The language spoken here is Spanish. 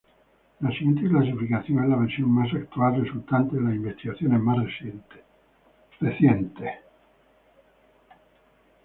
La siguiente clasificación es la versión más actual resultante de las investigaciones más recientes.